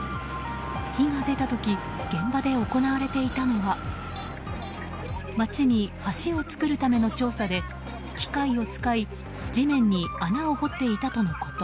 火が出た時現場で行われていたのは街に橋を作るための調査で機械を使い地面に穴を掘っていたとのこと。